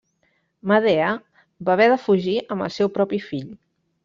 Medea va haver de fugir amb el seu propi fill.